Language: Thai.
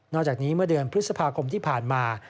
จากนี้เมื่อเดือนพฤษภาคมที่ผ่านมา